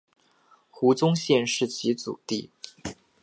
胡宗宪是其族弟。